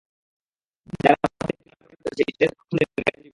যার মধ্যে একটি নাটক প্রচারিত হয়েছে ঈদের প্রথম দিন গাজী টিভিতে।